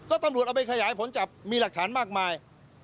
ก็ตำรวจเอาไปขยายผลจับมีหลักฐานมากมาย